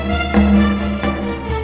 jangan lupa joko tingkir